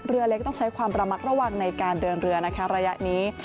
เรือเล็กต้องใช้ความระมัดระวังในการเดินเรือนะคะระยะนี้